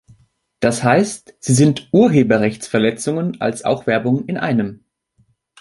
Das heißt, sie sind Urheberrechtsverletzungen als auch Werbung in einem.